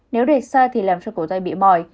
nếu để xa thì làm cho cổ tay bị mỏi